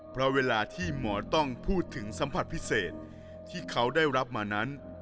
เพราะเวลาที่หมอต้องพูดถึงสัมผัสพิเศษที่เขาได้รับมานั้น